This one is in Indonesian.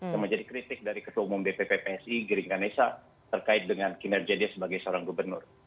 yang menjadi kritik dari ketua umum dpp psi giring ganesa terkait dengan kinerja dia sebagai seorang gubernur